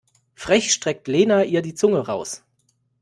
Frech streckt Lena ihr die Zunge raus.